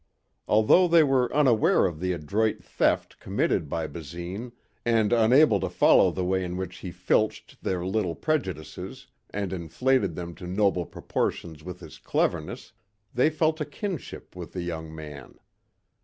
Although they were unaware of the adroit theft committed by Basine and unable to follow the way in which he filched their little prejudices and inflated them to noble proportions with his cleverness, they felt a kinship with the young man.